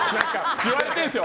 言われてるんですよ